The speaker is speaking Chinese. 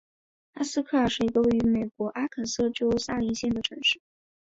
哈斯克尔是一个位于美国阿肯色州萨林县的城市。